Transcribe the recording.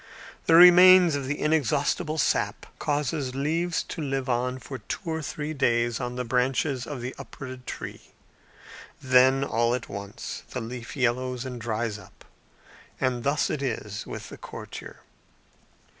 The remains of the exhaustible sap causes leaves to live on for two or three days on the branches of the uprooted tree; then, all at once, the leaf yellows and dries up: and thus it is with the courtier.